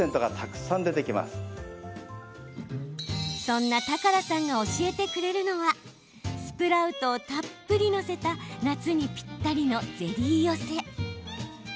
そんな高良さんが教えてくれるのはスプラウトをたっぷり載せた夏にぴったりのゼリー寄せ。